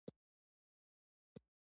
مخکې له دې چې د اختر جامې برابرې کړي.